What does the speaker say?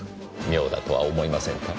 妙だとは思いませんか？